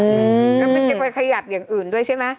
แล้วมันจะไปขยับอย่างอื่นด้วยใช่ไหม